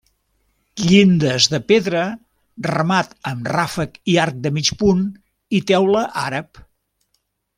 Llindes de pedra, remat amb ràfec i arc de mig punt, i teula àrab.